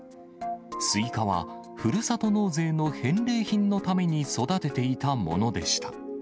スイカは、ふるさと納税の返礼品のために育てていたものでした。